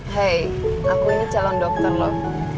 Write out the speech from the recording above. hei aku ini calon dokter loh